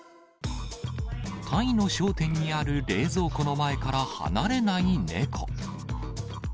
タイの商店にある冷蔵庫の前から離れない猫。